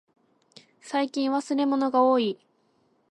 最近忘れ物がおおい。